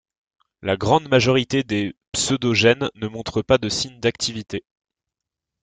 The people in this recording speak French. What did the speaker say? La grande majorité des pseudogènes ne montrent pas de signe d'activité.